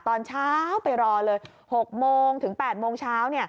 ตอนเช้าไปรอเลย๖โมงถึง๘โมงเช้า